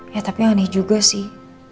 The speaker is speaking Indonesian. ya tapi unik juga sih